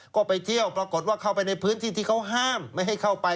ก็ไปเที่ยวปรากฏว่าเข้าไปในพื้นที่ที่เขาห้ามไม่ให้เข้าไป